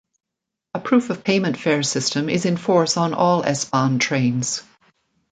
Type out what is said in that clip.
A proof-of-payment fare system is in force on all S-Bahn trains.